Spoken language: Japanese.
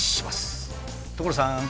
所さん！